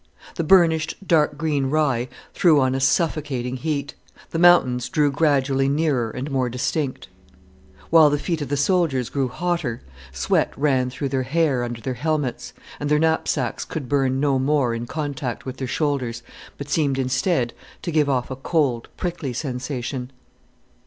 The burnished, dark green rye threw on a suffocating heat, the mountains drew gradually nearer and more distinct. While the feet of the soldiers grew hotter, sweat ran through their hair under their helmets, and their knapsacks could burn no more in contact with their shoulders, but seemed instead to give off a cold, prickly sensation.